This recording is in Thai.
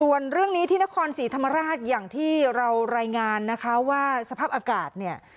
ส่วนเรื่องนี้ที่นครศรีธรรมราชอย่างที่เรารายงานนะคะว่าสภาพอากาศเนี่ย